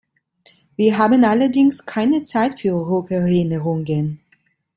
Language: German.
Wir haben allerdings keine Zeit für Rückerinnerungen.